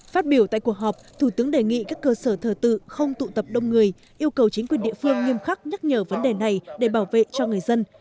phát biểu tại cuộc họp thủ tướng đề nghị các cơ sở thờ tự không tụ tập đông người yêu cầu chính quyền địa phương nghiêm khắc nhắc nhở vấn đề này để bảo vệ cho người dân